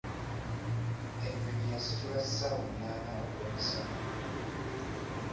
Ennyonyi yasitula ssawa munaana ogw'emisana.